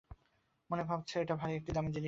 মনে ভাবছ, এটা ভারি একটা দামি জিনিস!